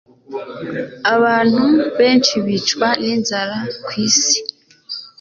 Abantu benshi bicwa ninzara kwisi.